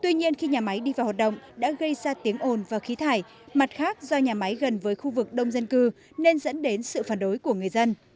tuy nhiên khi nhà máy đi vào hoạt động đã gây ra tiếng ồn và khí thải mặt khác do nhà máy gần với khu vực đông dân cư nên dẫn đến sự phản đối của người dân